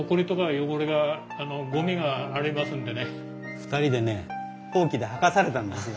２人でねほうきで掃かされたんですよ